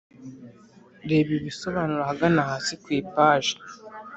Reba ibisobanuro ahagana hasi ku ipaji